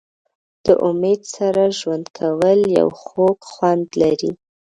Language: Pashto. د امید سره ژوند کول یو خوږ خوند لري.